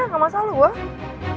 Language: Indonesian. gak masalah gue